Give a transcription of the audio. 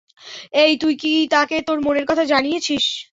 এই, তুই কি তাকে তোর মনের কথা জানিয়েছিস?